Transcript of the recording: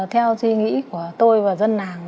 theo suy nghĩ của tôi và dân nàng